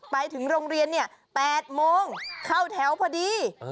ไปถึงโรงเรียน๘โมงเข้าแถวพอดี